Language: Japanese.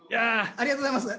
ありがとうございます。